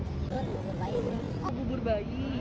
kalau mau punya duit lebih